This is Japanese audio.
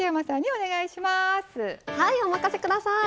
お任せください。